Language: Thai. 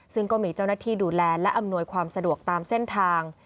ซึ่งก็มีเจ้าหน้าที่ดูแลและอำนวยความสะดวกตามเส้นทาง